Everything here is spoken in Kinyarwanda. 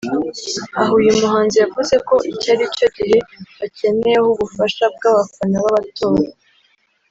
aha uyu muhanzi yavuze ko iki aricyo gihe bakeneyeho ubufasha bw’abafana babatora